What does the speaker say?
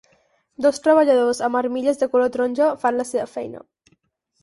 Dos treballadors amb armilles de color taronja fan la seva feina.